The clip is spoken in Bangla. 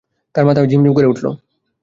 তাঁর মাথা ঝিমঝিম করে উঠল।